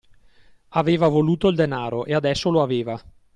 Aveva voluto il denaro e adesso lo aveva.